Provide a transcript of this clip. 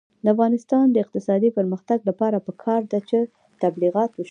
د افغانستان د اقتصادي پرمختګ لپاره پکار ده چې تبلیغات وشي.